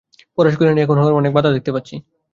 পরেশ কহিলেন, এখন হওয়ার অনেক বাধা দেখতে পাচ্ছি।